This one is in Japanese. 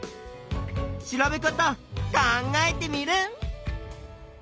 調べ方考えテミルン！